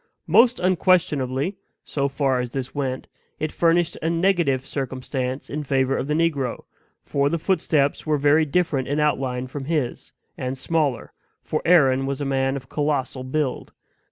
Most unquestionably, so far as this went, it furnished a negative circumstance in favor of the negro, for the footsteps were very different in outline from his, and smaller, for Aaron was a man of colossal build.